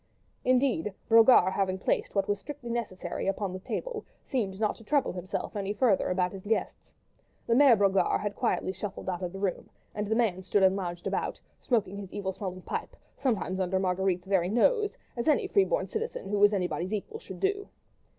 Indeed, Brogard having placed what was strictly necessary upon the table, seemed not to trouble himself any further about his guests. The Mere Brogard had quietly shuffled out of the room, and the man stood and lounged about, smoking his evil smelling pipe, sometimes under Marguerite's very nose, as any free born citizen who was anybody's equal should do.